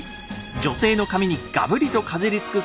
女性の髪にがぶりとかじりつく